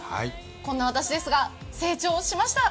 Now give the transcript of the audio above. こんな私ですが成長しました。